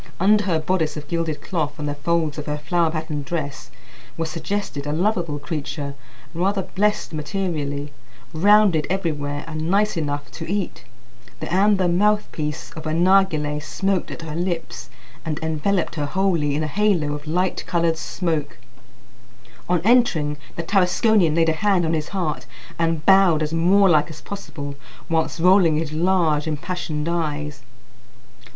Under her bodice of gilded cloth and the folds of her flower patterned dress was suggested a lovable creature, rather blessed materially, rounded everywhere, and nice enough to eat. The amber mouthpiece of a narghileh smoked at her lips, and enveloped her wholly in a halo of light coloured smoke. On entering, the Tarasconian laid a hand on his heart and bowed as Moorlike as possible, whilst rolling his large impassioned eyes.